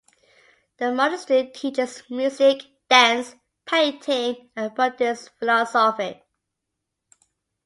The monastery teaches music, dance, painting and Buddhist philosophy.